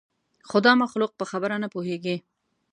خو دا مخلوق په خبره نه پوهېږي.